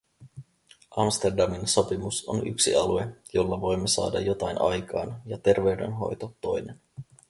Amsterdamin sopimus on yksi alue, jolla voimme saada jotain aikaan, ja terveydenhoito toinen.